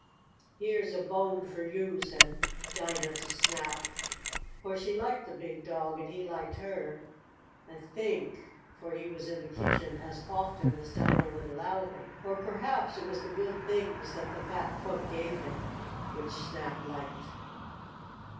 "Heah's a bone fo' yo'," said Dinah to Snap, for she liked the big dog, and he liked her, I think, for he was in the kitchen as often as Dinah would allow him. Or perhaps it was the good things that the fat cook gave him which Snap liked.